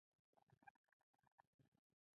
بایسکل د غره سفرونو لپاره هم کارول کېږي.